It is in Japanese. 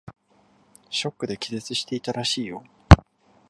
ショックで気絶していたらしいよ。